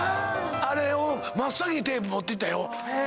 あれを真っ先にテープ持っていったよ。